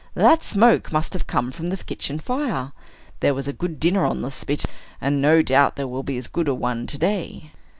"That smoke must have come from the kitchen fire. There was a good dinner on the spit; and no doubt there will be as good a one to day."